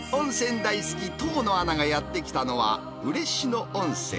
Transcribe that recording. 大好き、遠野アナがやって来たのは、嬉野温泉。